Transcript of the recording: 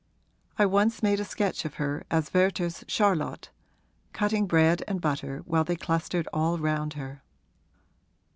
I once made a sketch of her as Werther's Charlotte, cutting bread and butter while they clustered all round her.